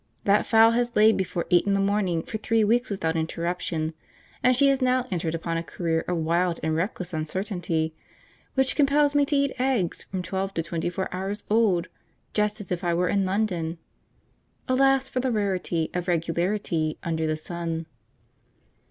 That fowl has laid before eight in the morning for three weeks without interruption, and she has now entered upon a career of wild and reckless uncertainty which compels me to eat eggs from twelve to twenty four hours old, just as if I were in London. Alas for the rarity Of regularity Under the sun!